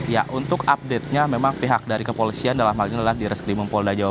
ya untuk update nya memang pihak dari kepolisian dalam hal ini adalah di reskrimum polda jawa